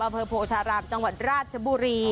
อาเฟอร์โพธาราบจังหวัดราชบุรี